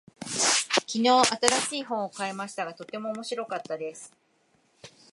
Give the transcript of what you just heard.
昨日、新しい本を買いましたが、とても面白かったです。